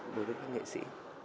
đối với các nghệ sĩ